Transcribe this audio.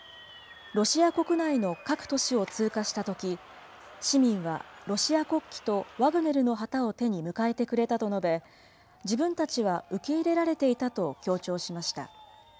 ロシア国内の各都市を通過したとき、市民はロシア国旗とワグネルの旗を手に迎えてくれたと述べ、自分たちは受け入れられていたと強調しました。